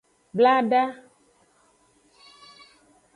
Blada.